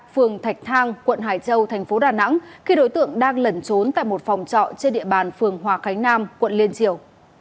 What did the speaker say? phường thạch thang quận hải châu thành phố đà nẵng khi đối tượng đang lẩn trốn tại một phòng trọ trên địa bàn phường hòa khánh nam quận liên triều